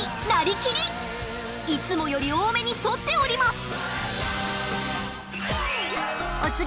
いつもより多めに反っております！